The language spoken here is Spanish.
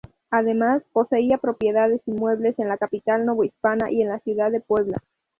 Además, poseía propiedades inmuebles en la capital novohispana y en la ciudad de Puebla.